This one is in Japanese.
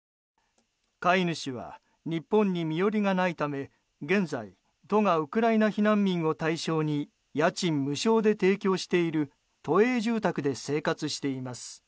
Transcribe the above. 飼い主は日本に身寄りがないため現在、都がウクライナ避難民を対象に家賃無償で提供している都営住宅で生活しています。